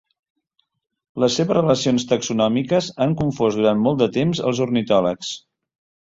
Les seves relacions taxonòmiques han confós durant molt de temps als ornitòlegs.